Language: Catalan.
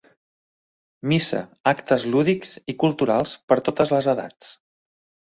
Missa, actes lúdics i culturals per a totes les edats.